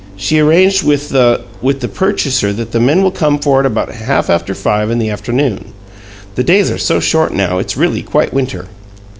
"She arranged with the with the purchaser that the men will come for it about half after five in the afternoon. The days are so short now it's really quite winter."